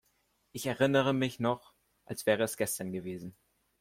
Ich erinnere mich noch, als wäre es gestern gewesen.